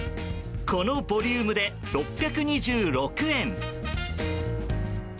このボリュームで６２６円。